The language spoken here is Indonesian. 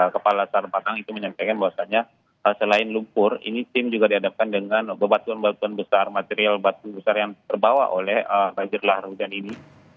kepala sarpatang itu menyampaikan bahwasannya selain lumpur ini tim juga dihadapkan dengan bebatuan batuan besar material batu besar yang terbawa oleh banjir lahar hujan ini